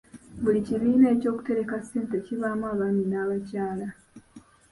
Buli kibiina eky'okutereka ssente kibaamu abaami n'abakyala.